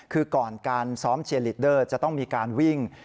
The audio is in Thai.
คือก่อนการซ้อมเชียร์ลีดเดอร์จะต้องมีการวิ่ง